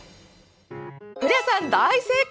古谷さん、大正解！